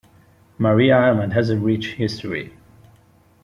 Maria Island has a rich history.